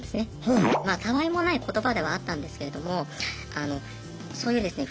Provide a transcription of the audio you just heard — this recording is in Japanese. まあたあいもない言葉ではあったんですけれどもそういうですね